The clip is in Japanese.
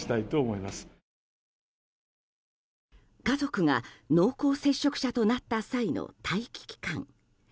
家族が濃厚接触者となった際の待機期間。